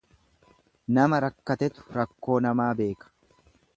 Nama rakkatetu rakkoo namaa beeka.